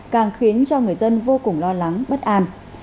càng khiến cho người dân vô cùng lo lắng bất an